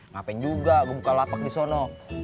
ngapain juga gue buka lapak di sana